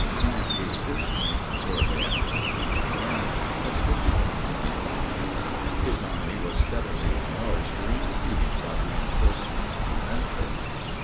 Grant gave his strength, shortly after the siege began, as 50,000 effectives; his army was steadily enlarged during the siege by reinforcements from Memphis.